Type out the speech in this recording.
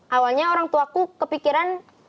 awalnya orangtuaku kepikiran